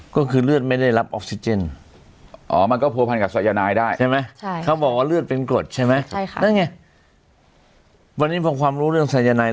ก็คือเลือดไม่ได้รับออศิเจน